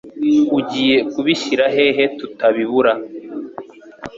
Ugiye kubishyira hehe tutabibura?